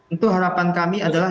untuk harapan kami adalah